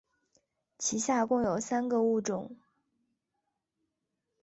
其下共有三个物种。